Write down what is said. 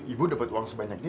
ibu dapat uang sebanyak ini